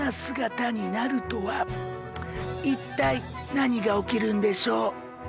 一体何が起きるんでしょう。